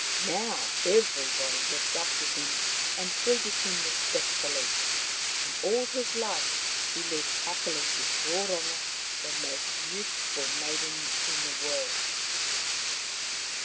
Now everybody looked up to him and treated him respectfully. And all his life he lived happily with Roronga — the most beautiful maiden in the world.